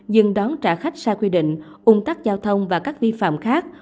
dừng đón trả khách sai quy định ung tắc giao thông và các vi phạm khác